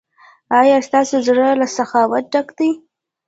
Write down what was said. ایا ستاسو زړه له سخاوت ډک دی؟